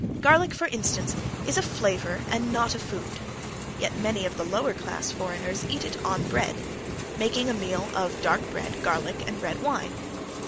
Garlic, for instance, is a flavor and not a food, yet many of the lower class foreigners eat it on bread, making a meal of dark bread, garlic and red wine.